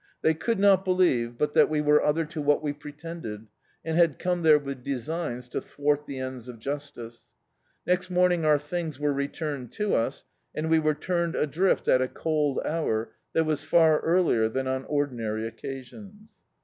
They could not believe but that we were other to what we pretended, and had oxne there with designs to thwart the ends of justice. Next morning our things were returned to us, and we were turned adrift at a cold hour that was far earlier than on ordinary occasicms.